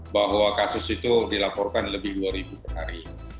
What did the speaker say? bahwa kasus itu dilaporkan lebih dua ribu per hari